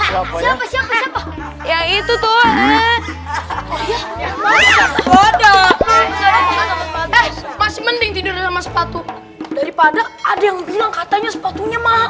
masih mending tidur sama sepatu daripada ada yang bilang katanya sepatunya mahal